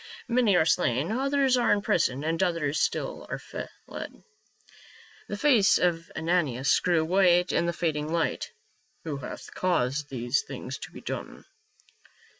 Many are slain ; others are in prison, and others still are fled." The face of Ananias grew white in the fading light. "Who hath caused these things to be done?"